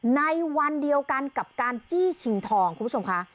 ในวันเดียวกันกับการจี้ชิงทองคุณผู้ชมค่ะ